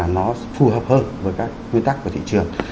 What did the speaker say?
nó phù hợp hơn với các nguyên tắc của thị trường